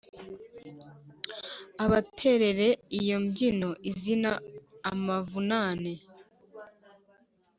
Ubaterere iyo mbyino izira amavunane